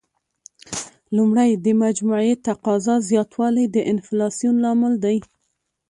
لومړی: د مجموعي تقاضا زیاتوالی د انفلاسیون لامل دی.